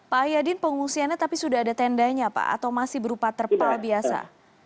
pak yadin pengungsiannya tapi sudah ada tendanya pak atau masih berupa terpal biasa